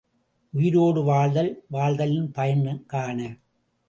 உயிரோடு வாழ்தல், வாழ்தலின் பயன் காண!